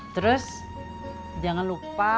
terus jangan lupa